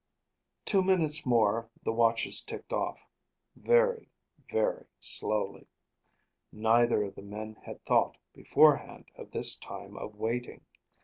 Two minutes more the watches ticked off; very, very slowly. Neither of the men had thought, beforehand, of this time of waiting.